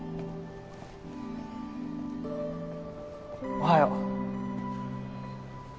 おはよう。